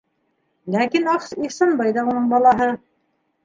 Ләкин Ихсанбай ҙа уның балаһы.